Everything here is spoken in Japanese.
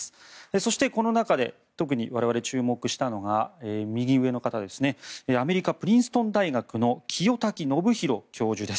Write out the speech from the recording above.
そしてこの中で特に我々注目したのが右上の方、アメリカのプリンストン大学の清滝信宏教授です。